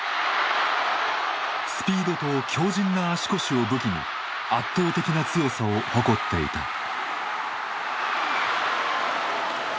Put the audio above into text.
スピードと強じんな足腰を武器に圧倒的な強さを誇っていた。